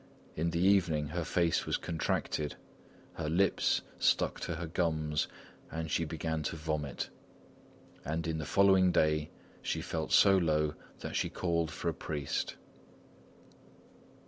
In the evening her face was contracted, her lips stuck to her gums and she began to vomit; and on the following day, she felt so low that she called for a priest.